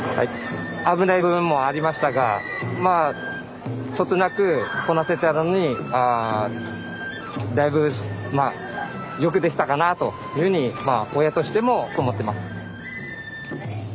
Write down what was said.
危ない部分もありましたがまあそつなくこなせたのにだいぶまあよくできたかなというふうにまあ親としてもそう思ってます。